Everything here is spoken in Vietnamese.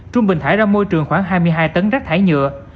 trung bình thải ra môi trường khoảng hai mươi hai tấn rác thải nhựa